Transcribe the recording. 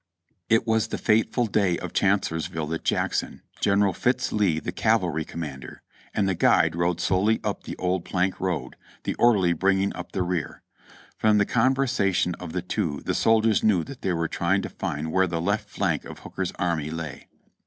It was the fateful day of Chancellorsville that Jackson, General Fitz Lee the cavalry commander, and the guide rode slowly up the old plank road, the orderly bringing up the rear. From the conversation of the two the soldiers knew that they were trying to find where the left flank of Hooker's army lay.